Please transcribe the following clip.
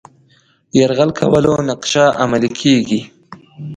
یرغل کولو نقشه عملي کړي.